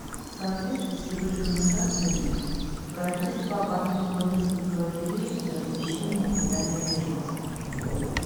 В соответствии с его рекомендациями правительство оборудовало несколько лагерей для размещения и питания беженцев.